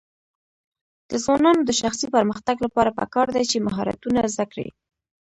د ځوانانو د شخصي پرمختګ لپاره پکار ده چې مهارتونه زده کړي.